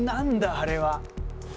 「あれは」。